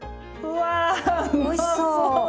おいしそう！